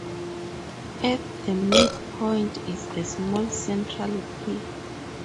At the midpoint is a small central peak.